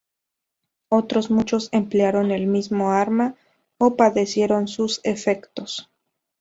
Otros muchos emplearon el mismo arma o padecieron sus efectos.